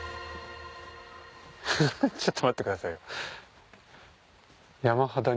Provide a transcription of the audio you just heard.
フフちょっと待ってくださいよ。